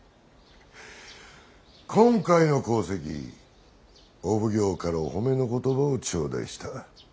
今回の功績お奉行からお褒めの言葉を頂戴した。